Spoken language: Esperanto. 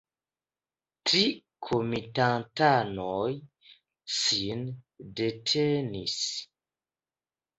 Tri komitatanoj sin detenis.